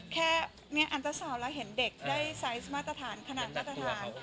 แค่อันตราเสากลางแล้วเต็กได้ไซซ์มาตรฐานขนาดมาตรฐาน